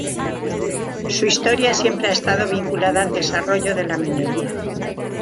Su historia siempre ha estado vinculada al desarrollo de la minería.